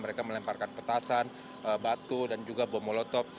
mereka melemparkan petasan batu dan juga bomolotov